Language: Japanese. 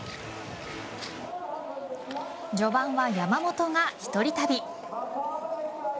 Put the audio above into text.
序盤は山本が１人旅。